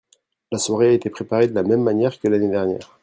La soirée a été préparée de la même manière que l'année dernière.